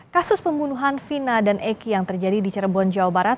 kasus pembunuhan vina dan eki yang terjadi di cirebon jawa barat